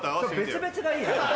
別々がいいな。